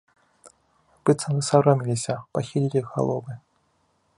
Быццам засаромеліся, пахілілі галовы.